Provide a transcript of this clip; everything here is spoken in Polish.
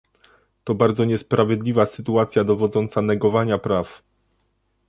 To bardzo niesprawiedliwa sytuacja dowodząca negowania praw